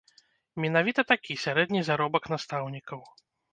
Менавіта такі сярэдні заробак настаўнікаў.